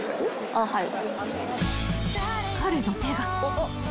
あっはい。